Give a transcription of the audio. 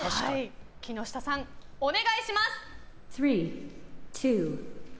木下さん、お願いします。